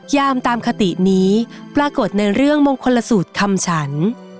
ยามตามคตินี้ปรากฏในเรื่องมงคลสูตรคำฉัน